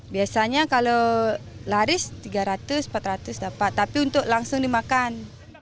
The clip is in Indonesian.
biasanya kalau laris tiga ratus empat ratus dapat tapi untuk langsung dimakan